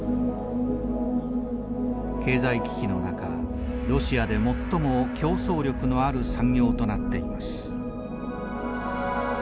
経済危機の中ロシアで最も競争力のある産業となっています。